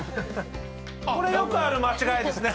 これよくある間違いですね。